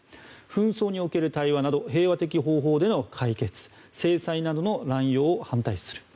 紛争における対話など平和的方法での解決制裁などの乱用に反対する。